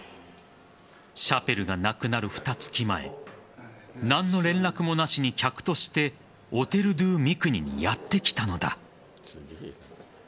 シャペルが亡くなるふた月前何の連絡もなしに、客としてオテル・ドゥ・ミクニにやってきたのだ。